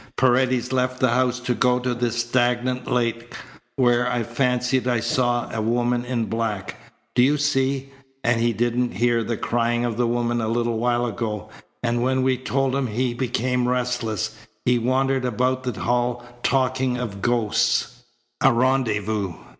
"Paredes left the house to go to the stagnant lake where I fancied I saw a woman in black. Do you see? And he didn't hear the crying of a woman a little while ago, and when we told him he became restless. He wandered about the hall talking of ghosts." "A rendezvous!"